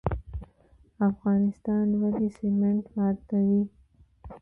افغانستان ولې سمنټ واردوي؟